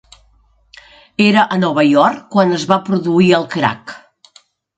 Era a Nova York quan es va produir el crac.